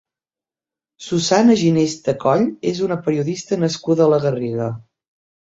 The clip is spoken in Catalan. Susanna Ginesta Coll és una periodista nascuda a la Garriga.